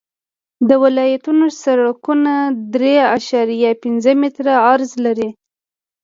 د ولایتونو سرکونه درې اعشاریه پنځه متره عرض لري